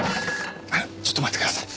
あのちょっと待ってください。